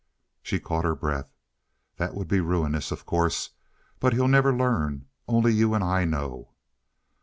She caught her breath. "That would be ruinous, of course. But he'll never learn. Only you and I know."